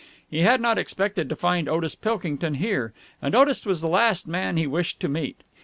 He had not expected to find Otis Pilkington here, and Otis was the last man he wished to meet.